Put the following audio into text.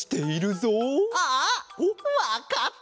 あわかった！